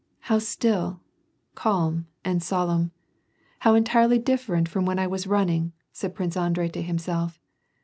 " How still, calm, and solemn ! How entirely different from when I was running," said Prince Andrei to himself.